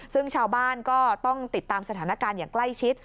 ซึ่งชาวบ้านก็ต้องติดตามสถานการณ์อย่างใกล้ชิด